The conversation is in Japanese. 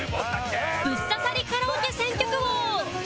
ブッ刺さりカラオケ選曲王